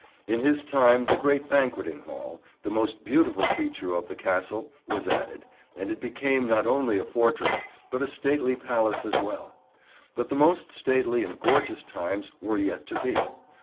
In his time the great Banqueting Hall, the most beautiful feature of the Castle, was added, and it became not only a fortress, but a stately palace as well. But the most stately and gorgeous times were yet to be.